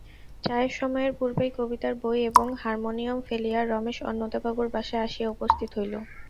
চায়ের সময়ের পূর্বেই কবিতার বই এবং হারমোনিয়ম ফেলিয়া রমেশ অন্নদাবাবুর বাসায় আসিয়া উপস্থিত হইল।